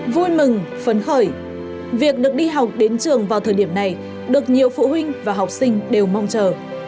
vui mừng phấn khởi việc được đi học đến trường vào thời điểm này được nhiều phụ huynh và học sinh đều mong chờ